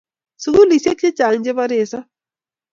sukulisek che chang che bo resap